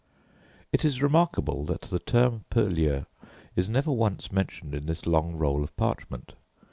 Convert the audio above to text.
It is remarkable that the term purlieu is never once mentioned in, this long roll of parchment.